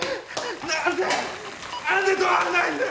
なんで止まらないんだよ